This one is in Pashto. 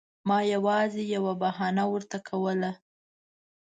ما یوازې یوه بهانه ورته کوله.